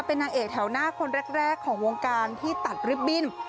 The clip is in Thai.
เป็นนางเอกแถวหน้าคนแรกของวงการที่ตัดลิฟตบิ้น